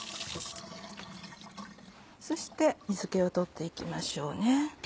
そして水気を取っていきましょう。